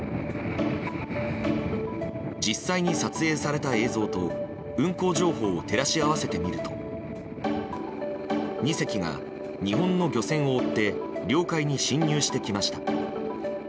実際に撮影された映像と運航情報を照らし合わせてみると２隻が日本の漁船を追って領海に侵入してきました。